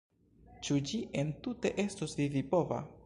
Ĉu ĝi entute estos vivipova?